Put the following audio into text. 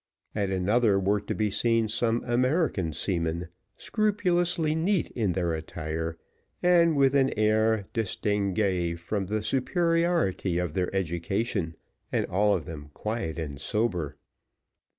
At another were to be seen some American seamen, scrupulously neat in their attire, and with an air distinguee, from the superiority of their education, and all of them quiet and sober.